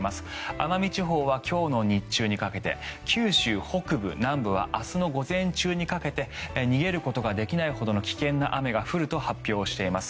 奄美地方は今日の日中にかけて九州北部、南部は明日の午前中にかけて逃げることができないほどの危険な雨が降ると発表しています。